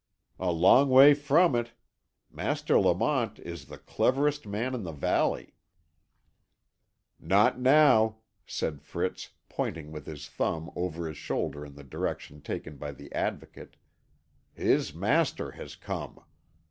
"A long way from it. Master Lamont is the cleverest man in the valley." "Not now," said Fritz, pointing with his thumb over his shoulder in the direction taken by the Advocate; "his master has come.